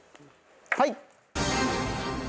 はい！